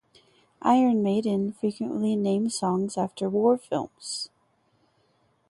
Iron Maiden frequently name songs after war films.